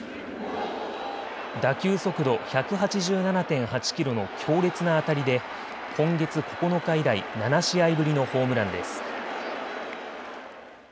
打球速度１８７．８キロの強烈な当たりで今月９日以来、７試合ぶりのホームランです。